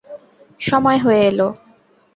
সময় হয়ে এলো।